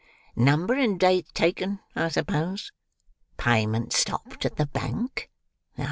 "Number and date taken, I suppose? Payment stopped at the Bank? Ah!